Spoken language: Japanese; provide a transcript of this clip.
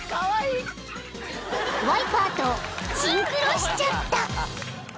［ワイパーとシンクロしちゃった］